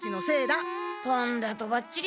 とんだとばっちりっすよ。